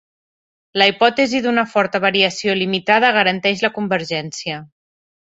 La hipòtesi d'una forta variació limitada garanteix la convergència.